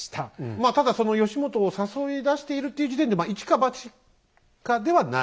まあただその義元を誘い出しているっていう時点でまあ一か八かではない。